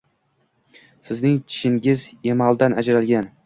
Sizning tishingiz emaldan ajralgan.